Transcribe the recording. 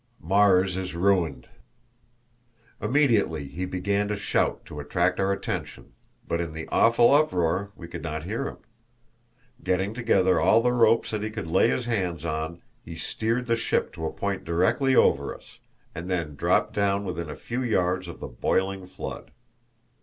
Mars Is Ruined! Immediately he began to shout to attract our attention, but in the awful uproar we could not hear him. Getting together all the ropes that he could lay his hands on, he steered the ship to a point directly over us, and then dropped down within a few yards of the boiling flood.